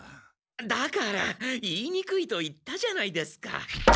だから言いにくいと言ったじゃないですか。